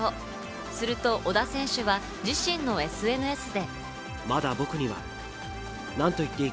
すると小田選手は自身のＳＮＳで。